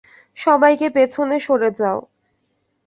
সবাইকে পেছনে সরে যাও।